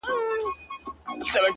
اوس مي د زړه قلم ليكل نه كوي _